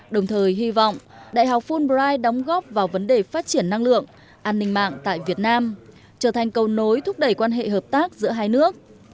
đồng thời hy vọng đại học fulbright đóng góp vào vấn đề phát triển năng lượng an ninh mạng tại việt nam trở thành cầu nối thúc đẩy quan hệ hợp tác giữa hai nước